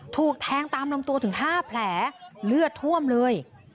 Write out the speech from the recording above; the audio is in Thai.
ถูกแทงตามลำตัวถึง๕แผลเลือดท่วมเลย